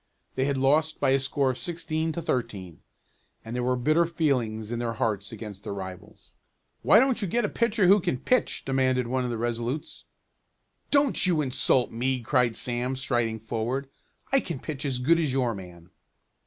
They had lost by a score of sixteen to thirteen, and there were bitter feelings in their hearts against their rivals. "Why don't you get a pitcher who can pitch?" demanded one of the Resolutes. "Don't you insult me!" cried Sam striding forward. "I can pitch as good as your man."